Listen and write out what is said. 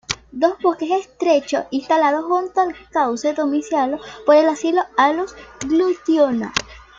Son bosques estrechos instalados junto al cauce dominados por el aliso, "Alnus glutinosa".